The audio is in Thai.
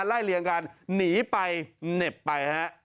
ไล่เลี่ยงกันหนีไปเหน็บไปฮะ